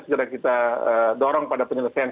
segera kita dorong pada penyelesaian